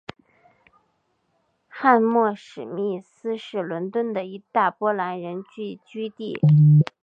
汉默史密斯是伦敦的一大波兰人聚居地。